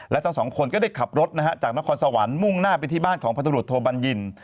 และทั้งสองคนก็ได้ขับรถนะฮะจากนครสวรรค์มุ่งหน้าไปที่บ้านของพันธุรกิจโทบัญญิน